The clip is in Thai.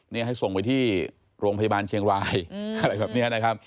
นี่ให้ส่งไปที่โรงพยาบาลเชียงรายอะไรแบบนี้นะครับ